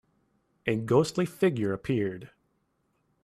A ghostly figure appeared.